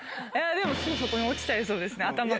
でも、すぐそこに落ちちゃいそうですね、頭から。